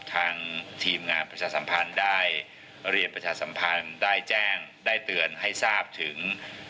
ทางทีมงานประชาสัมพันธ์ได้เรียนประชาสัมพันธ์ได้แจ้งได้เตือนให้ทราบถึง